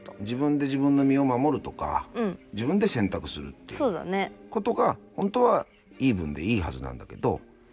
自分で自分の身を守るとか自分で選択するっていうことがほんとはイーブンでいいはずなんだけど。